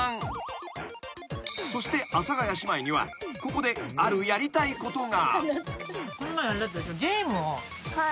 ［そして阿佐ヶ谷姉妹にはここであるやりたいことが］